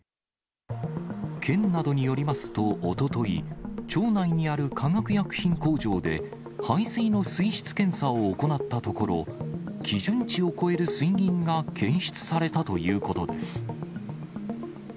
県などによりますと、おととい、町内にある化学薬品工場で、排水の水質検査を行ったところ、基準値を超える水銀が検出されたということです。